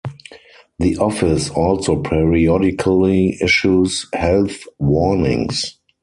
The office also periodically issues health warnings.